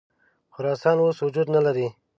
خراسان اوس وجود نه لري.